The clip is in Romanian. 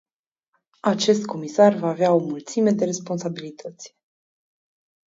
Acest comisar va avea o mulțime de responsabilități.